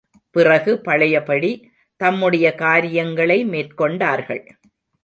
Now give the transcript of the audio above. பிறகு பழையபடி தம்முடைய காரியங்களை மேற்கொண்டார்கள்.